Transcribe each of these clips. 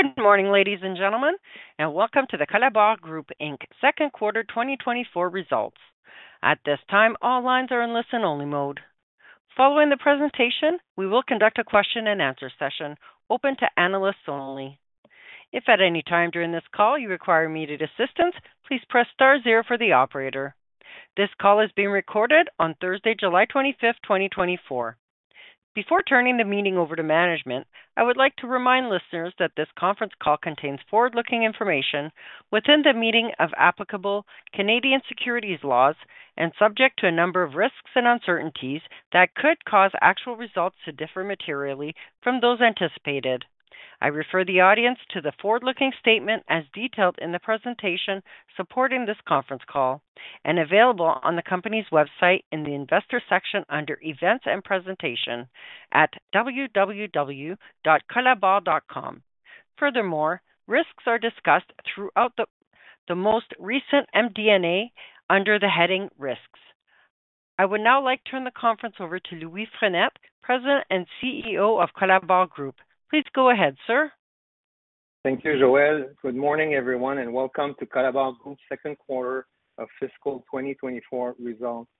Good morning, ladies and gentlemen, and welcome to the Colabor Group Inc, Q2 2024 results. At this time, all lines are in listen-only mode. Following the presentation, we will conduct a question and answer session open to analysts only. If at any time during this call you require immediate assistance, please press star zero for the operator. This call is being recorded on Thursday, 25 July, 2024. Before turning the meeting over to management, I would like to remind listeners that this conference call contains forward-looking information within the meaning of applicable Canadian securities laws and subject to a number of risks and uncertainties that could cause actual results to differ materially from those anticipated. I refer the audience to the forward-looking statement as detailed in the presentation supporting this conference call and available on the company's website in the investor section under Events and Presentations at www.colabor.com. Furthermore, risks are discussed throughout the most recent MD&A under the heading Risks. I would now like to turn the conference over to Louis Frenette, President and CEO of Colabor Group. Please go ahead, sir. Thank you, Joelle. Good morning, everyone, and welcome to Colabor Group's Q2 of fiscal 2024 results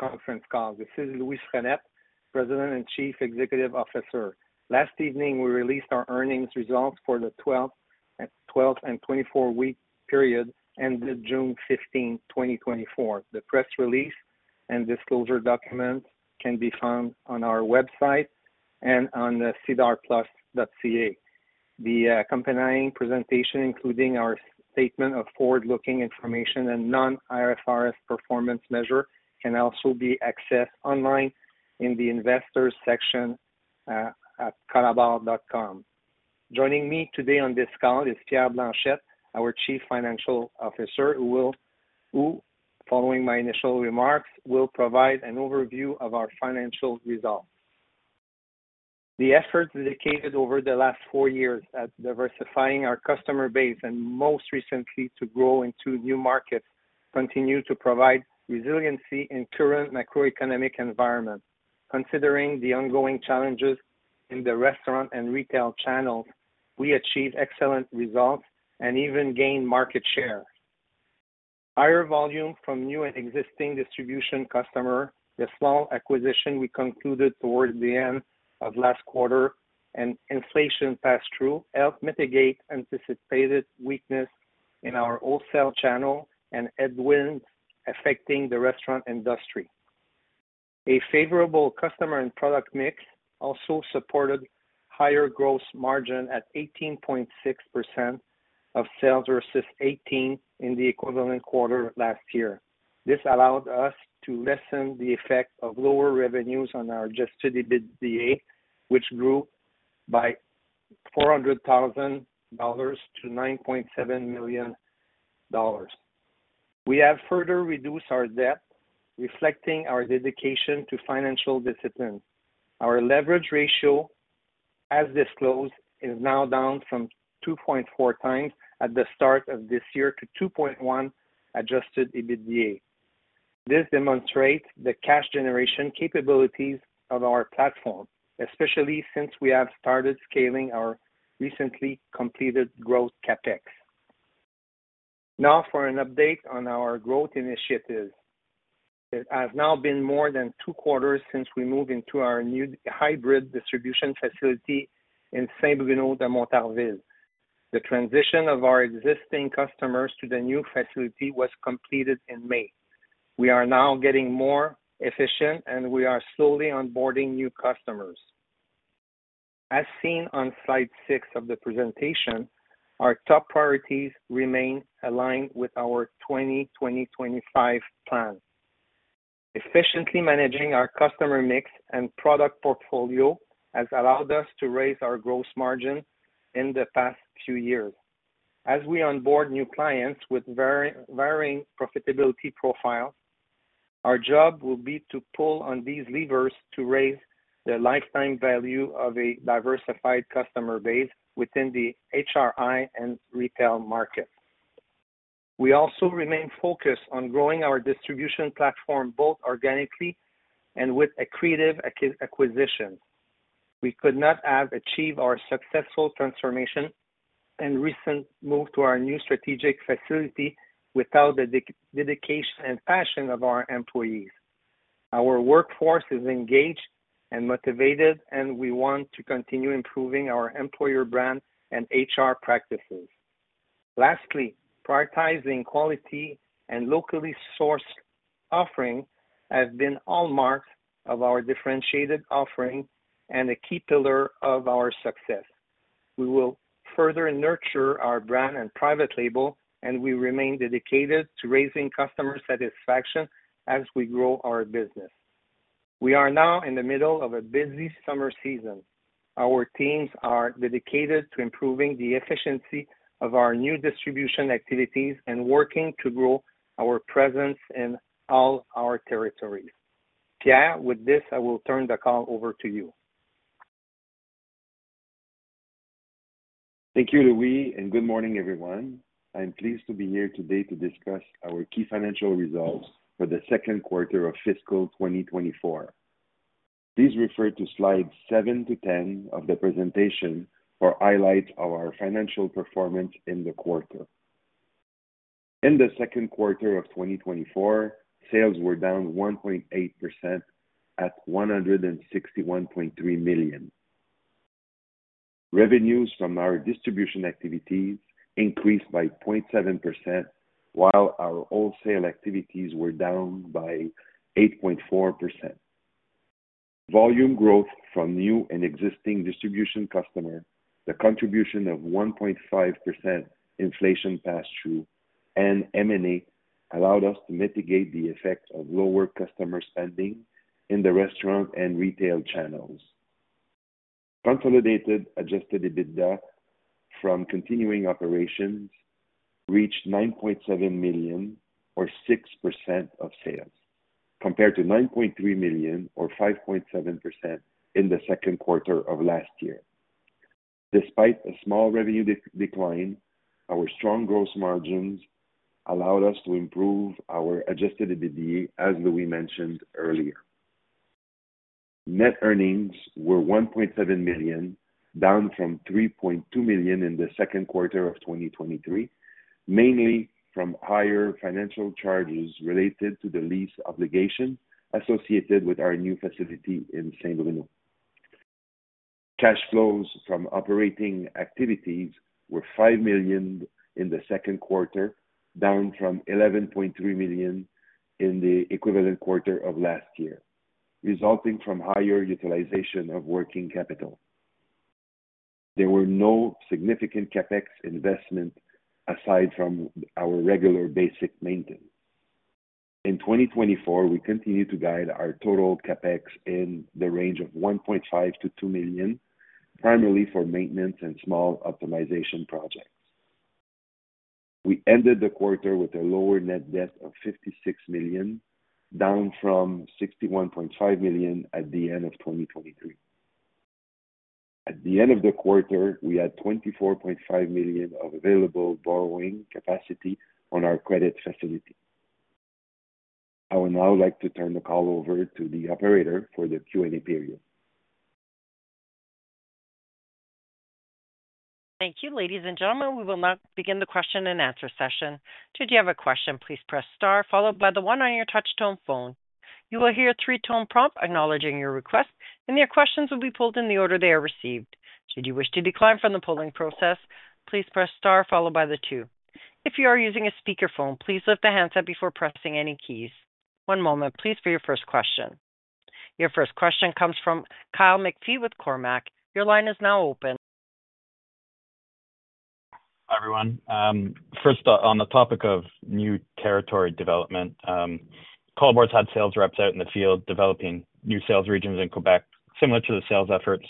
conference call. This is Louis Frenette, President and Chief Executive Officer. Last evening, we released our earnings results for the 12 and 24-week period ended June 15, 2024. The press release and disclosure document can be found on our website and on the SEDARplus.ca. The accompanying presentation, including our statement of forward-looking information and non-IFRS performance measure, can also be accessed online in the Investors section at colabor.com. Joining me today on this call is Pierre Blanchette, our Chief Financial Officer, who, following my initial remarks, will provide an overview of our financial results. The efforts dedicated over the last four years at diversifying our customer base and most recently to grow into new markets, continue to provide resiliency in current macroeconomic environment. Considering the ongoing challenges in the restaurant and retail channels, we achieved excellent results and even gained market share. Higher volume from new and existing distribution customer, the small acquisition we concluded towards the end of last quarter and inflation pass-through, helped mitigate anticipated weakness in our wholesale channel and headwinds affecting the restaurant industry. A favorable customer and product mix also supported higher gross margin at 18.6% of sales versus 18% in the equivalent quarter last year. This allowed us to lessen the effect of lower revenues on our Adjusted EBITDA, which grew by 400,000 dollars to 9.7 million dollars. We have further reduced our debt, reflecting our dedication to financial discipline. Our leverage ratio, as disclosed, is now down from 2.4x at the start of this year to 2.1 Adjusted EBITDA. This demonstrates the cash generation capabilities of our platform, especially since we have started scaling our recently completed growth CapEx. Now for an update on our growth initiatives. It has now been more than two quarters since we moved into our new hybrid distribution facility in Saint-Bruno-de-Montarville. The transition of our existing customers to the new facility was completed in May. We are now getting more efficient, and we are slowly onboarding new customers. As seen on slide 6 of the presentation, our top priorities remain aligned with our 2025 plan. Efficiently managing our customer mix and product portfolio has allowed us to raise our gross margin in the past few years. As we onboard new clients with varying profitability profile, our job will be to pull on these levers to raise the lifetime value of a diversified customer base within the HRI and retail market. We also remain focused on growing our distribution platform, both organically and with accretive acquisitions. We could not have achieved our successful transformation and recent move to our new strategic facility without the dedication and passion of our employees. Our workforce is engaged and motivated, and we want to continue improving our employer brand and HR practices. Lastly, prioritizing quality and locally sourced offering has been hallmark of our differentiated offering and a key pillar of our success. We will further nurture our brand and private label, and we remain dedicated to raising customer satisfaction as we grow our business. We are now in the middle of a busy summer season. Our teams are dedicated to improving the efficiency of our new distribution activities and working to grow our presence in all our territories. Pierre, with this, I will turn the call over to you. Thank you, Louis, and good morning, everyone. I'm pleased to be here today to discuss our key financial results for the Q2 of fiscal 2024. Please refer to slides 7 to 10 of the presentation for highlights of our financial performance in the quarter. In the Q2 of 2024, sales were down 1.8% at 161.3 million. Revenues from our distribution activities increased by 0.7%, while our wholesale activities were down by 8.4%. Volume growth from new and existing distribution customer, the contribution of 1.5% inflation pass-through and M&A allowed us to mitigate the effect of lower customer spending in the restaurant and retail channels. Consolidated adjusted EBITDA from continuing operations reached 9.7 million or 6% of sales, compared to 9.3 million or 5.7% in the Q2 of last year. Despite a small revenue decline, our strong gross margins allowed us to improve our adjusted EBITDA, as Louis mentioned earlier. Net earnings were 1.7 million, down from 3.2 million in the Q2 of 2023, mainly from higher financial charges related to the lease obligation associated with our new facility in Saint-Bruno. Cash flows from operating activities were 5 million in the Q2, down from 11.3 million in the equivalent quarter of last year, resulting from higher utilization of working capital. There were no significant CapEx investment aside from our regular basic maintenance. In 2024, we continue to guide our total CapEx in the range of 1.5 million-2 million, primarily for maintenance and small optimization projects. We ended the quarter with a lower net debt of 56 million, down from 61.5 million at the end of 2023. At the end of the quarter, we had 24.5 million of available borrowing capacity on our credit facility. I would now like to turn the call over to the operator for the Q&A period. Thank you. Ladies and gentlemen, we will now begin the question-and-answer session. Should you have a question, please press star followed by the one on your touch tone phone. You will hear three-tone prompt acknowledging your request, and your questions will be pulled in the order they are received. Should you wish to decline from the polling process, please press star followed by the two. If you are using a speakerphone, please lift the handset before pressing any keys. One moment, please, for your first question. Your first question comes from Kyle McPhee with Cormark. Your line is now open. Hi, everyone. First, on the topic of new territory development, Colabor had sales reps out in the field developing new sales regions in Quebec, similar to the sales efforts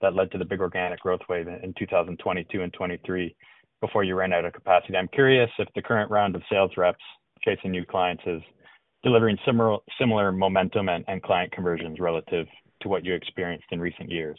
that led to the big organic growth wave in 2022 and 2023 before you ran out of capacity. I'm curious if the current round of sales reps chasing new clients is delivering similar momentum and client conversions relative to what you experienced in recent years,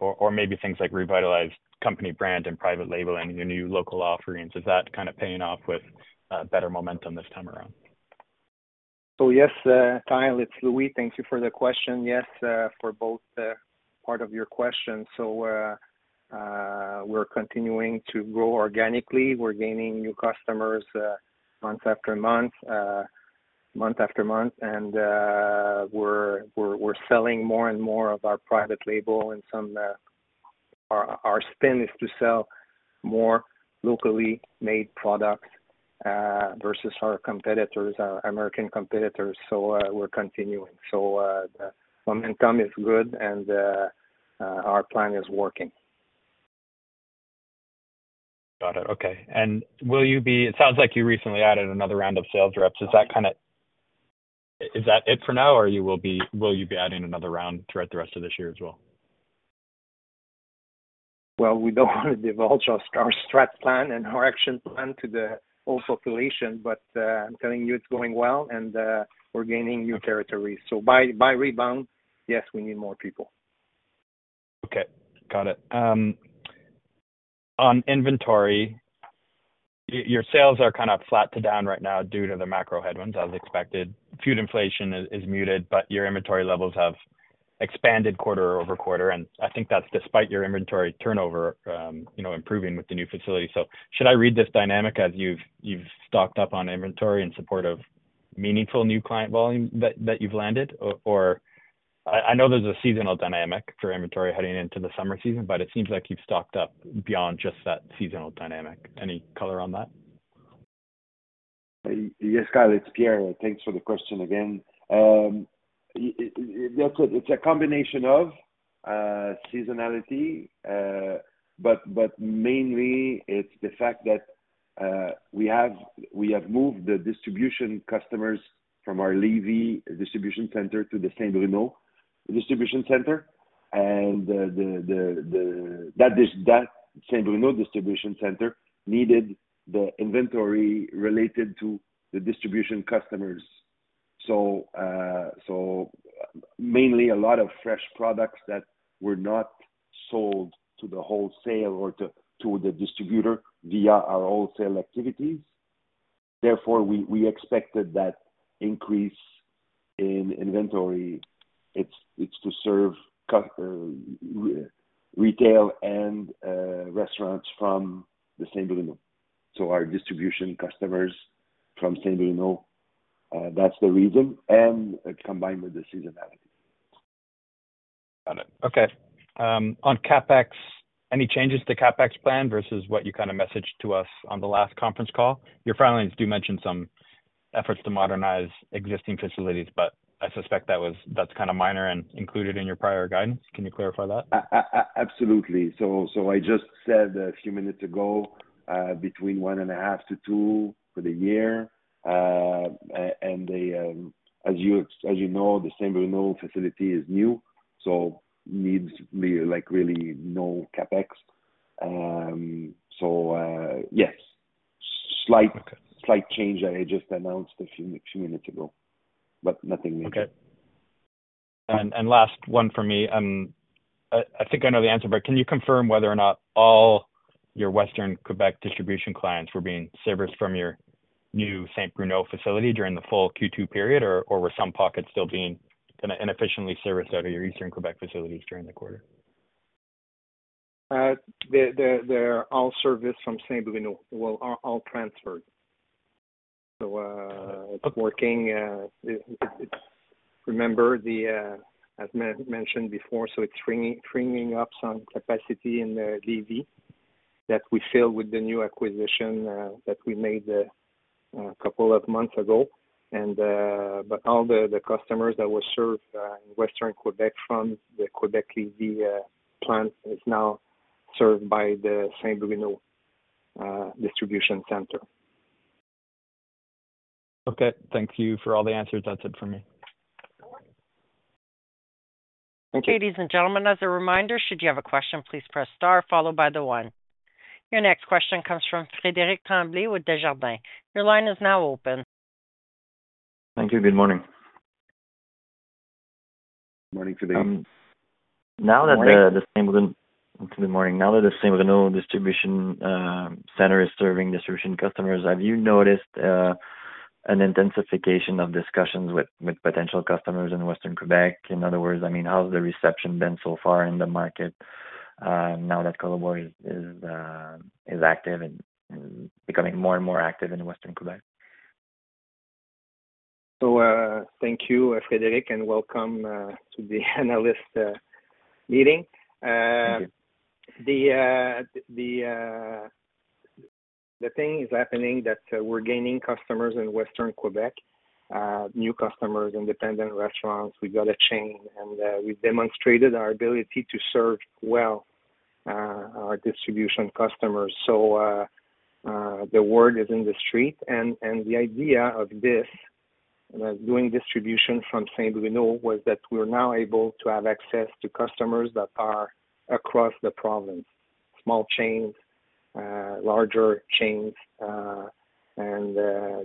or maybe things like revitalized company brand and private labeling, your new local offerings. Is that kind of paying off with better momentum this time around? So yes, Kyle, it's Louis. Thank you for the question. Yes, for both part of your question. So, we're continuing to grow organically. We're gaining new customers, month after month, month after month, and, we're selling more and more of our private label and some... Our spin is to sell more locally made products, versus our competitors, our American competitors. So, we're continuing. So, the momentum is good, and, our plan is working. Got it. Okay. And it sounds like you recently added another round of sales reps. Is that it for now, or will you be adding another round throughout the rest of this year as well? Well, we don't want to divulge our strategic plan and our action plan to the whole population, but I'm telling you, it's going well, and we're gaining new territories. So by rebound, yes, we need more people. Okay, got it. On inventory, your sales are kind of flat to down right now due to the macro headwinds, as expected. Food inflation is muted, but your inventory levels have expanded quarter-over-quarter, and I think that's despite your inventory turnover, you know, improving with the new facility. So should I read this dynamic as you've stocked up on inventory in support of meaningful new client volume that you've landed? Or I know there's a seasonal dynamic for inventory heading into the summer season, but it seems like you've stocked up beyond just that seasonal dynamic. Any color on that? Yes, Kyle, it's Pierre. Thanks for the question again. It's a combination of seasonality, but mainly it's the fact that we have moved the distribution customers from our Lévis distribution center to the Saint-Bruno distribution center, and the Saint-Bruno distribution center needed the inventory related to the distribution customers. So, mainly a lot of fresh products that were not sold to the wholesale or to the distributor via our wholesale activities.... therefore, we expected that increase in inventory. It's to serve retail and restaurants from the Saint-Bruno. So our distribution customers from Saint-Bruno, that's the reason, and it combined with the seasonality. Got it. Okay. On CapEx, any changes to CapEx plan versus what you kind of messaged to us on the last conference call? Your filings do mention some efforts to modernize existing facilities, but I suspect that was, that's kind of minor and included in your prior guidance. Can you clarify that? Absolutely. So, I just said a few minutes ago, between 1.5-2 for the year. And, as you know, the Saint-Bruno facility is new, so needs, like, really no CapEx. So, yes, slight- Okay. Slight change I just announced a few minutes ago, but nothing major. Okay. And last one for me, I think I know the answer, but can you confirm whether or not all your Western Quebec distribution clients were being serviced from your new Saint-Bruno facility during the full Q2 period, or were some pockets still being kind of inefficiently serviced out of your Eastern Quebec facilities during the quarter? They're all serviced from Saint-Bruno. Well, all transferred. So- Okay. It's working. Remember, as mentioned before, so it's freeing up some capacity in the Lévis that we filled with the new acquisition that we made a couple of months ago. But all the customers that were served in western Quebec from the Québec Lévis plant is now served by the Saint-Bruno distribution center. Okay. Thank you for all the answers. That's it for me. Thank you. Ladies and gentlemen, as a reminder, should you have a question, please press star followed by the one. Your next question comes from Frédéric Tremblay with Desjardins. Your line is now open. Thank you. Good morning. Morning, Frédéric. Um- Good morning. Good morning. Now that the Saint-Bruno distribution center is serving distribution customers, have you noticed an intensification of discussions with potential customers in western Quebec? In other words, I mean, how has the reception been so far in the market, now that Colabor is active and becoming more and more active in western Quebec? Thank you, Frédéric, and welcome to the analyst meeting. Thank you. The thing is happening that we're gaining customers in western Quebec, new customers, independent restaurants. We got a chain, and we've demonstrated our ability to serve well our distribution customers. So the word is in the street, and the idea of this doing distribution from Saint-Bruno was that we're now able to have access to customers that are across the province: small chains, larger chains, and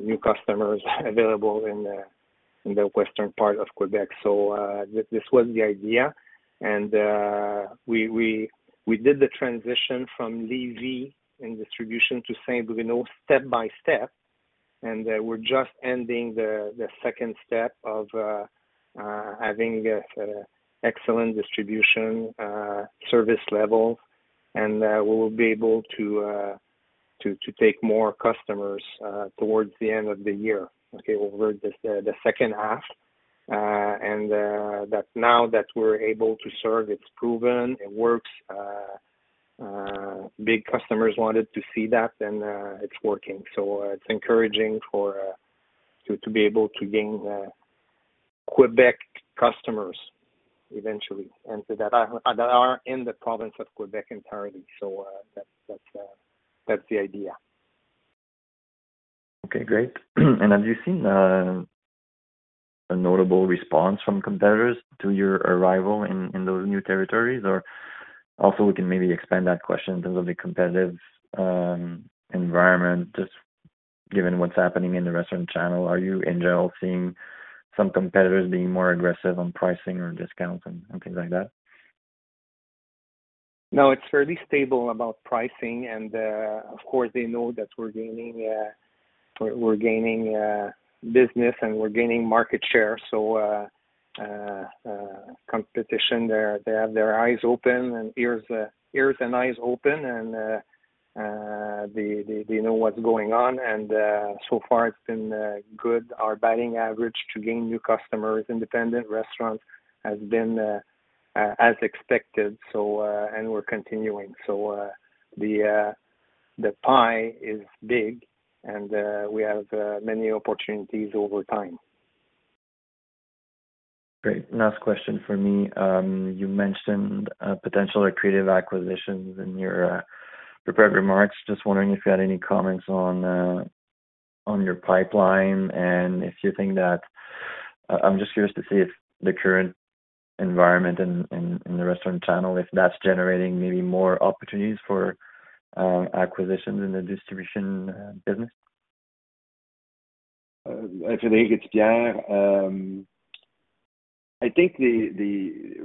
new customers available in the western part of Quebec. So, this was the idea, and we did the transition from Lévis in distribution to Saint-Bruno step by step, and we're just ending the second step of having an excellent distribution service level, and we will be able to take more customers towards the end of the year, okay? Over the H2. And now that we're able to serve, it's proven, it works. Big customers wanted to see that, and it's working. So it's encouraging to be able to gain Quebec customers eventually, and so that are in the province of Quebec entirely. So, that's the idea. Okay, great. And have you seen a notable response from competitors to your arrival in those new territories? Or also, we can maybe expand that question in terms of the competitive environment. Just given what's happening in the restaurant channel, are you in general seeing some competitors being more aggressive on pricing or discounts and things like that? No, it's fairly stable about pricing, and, of course, they know that we're gaining business, and we're gaining market share. So, competition, they have their eyes open and ears, ears and eyes open, and they know what's going on. And so far it's been good. Our batting average to gain new customers, independent restaurants, has been as expected, so... And we're continuing. So, the pie is big, and we have many opportunities over time. Great. Last question for me. You mentioned potential accretive acquisitions in your prepared remarks. Just wondering if you had any comments on your pipeline and if you think that... I'm just curious to see if the current environment in the restaurant channel, if that's generating maybe more opportunities for acquisitions in the distribution business. Frédéric, it's Pierre. I think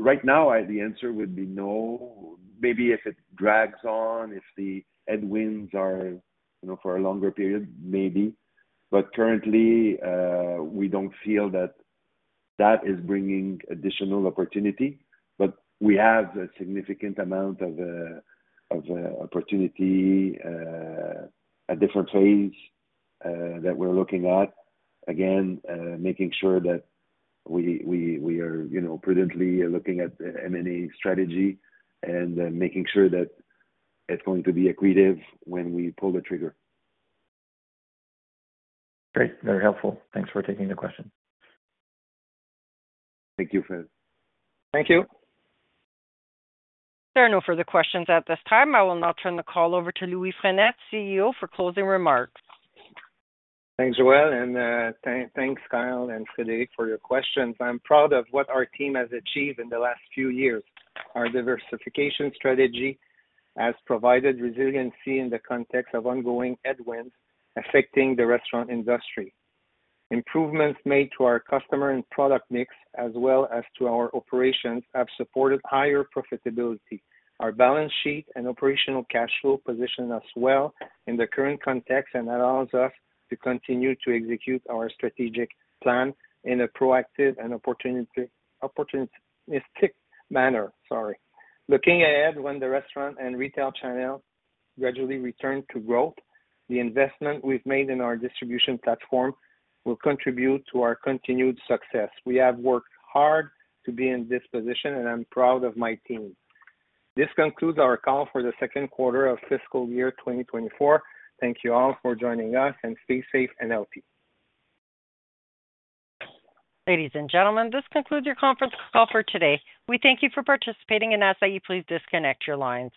right now the answer would be no. Maybe if it drags on, if the headwinds are, you know, for a longer period, maybe. But currently, we don't feel that that is bringing additional opportunity. But we have a significant amount of opportunity at different phase that we're looking at. Again, making sure that we are, you know, prudently looking at M&A strategy and making sure that it's going to be accretive when we pull the trigger. Great. Very helpful. Thanks for taking the question. Thank you, Fred. Thank you. There are no further questions at this time. I will now turn the call over to Louis Frenette, CEO, for closing remarks. Thanks, Joelle, and thanks, Kyle and Frédéric, for your questions. I'm proud of what our team has achieved in the last few years. Our diversification strategy has provided resiliency in the context of ongoing headwinds affecting the restaurant industry. Improvements made to our customer and product mix, as well as to our operations, have supported higher profitability. Our balance sheet and operational cash flow position as well in the current context, and allows us to continue to execute our strategic plan in a proactive and opportunistic manner. Sorry. Looking ahead, when the restaurant and retail channel gradually return to growth, the investment we've made in our distribution platform will contribute to our continued success. We have worked hard to be in this position, and I'm proud of my team. This concludes our call for the Q2 of FY 2024. Thank you all for joining us, and stay safe and healthy. Ladies and gentlemen, this concludes your conference call for today. We thank you for participating and ask that you please disconnect your lines.